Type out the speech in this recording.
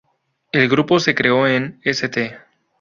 El grupo se creó en St.